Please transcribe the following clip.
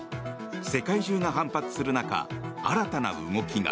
世界中が反発する中新たな動きが。